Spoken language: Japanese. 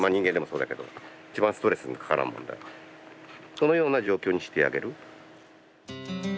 そのような状況にしてあげる。